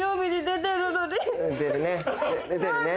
出てるね。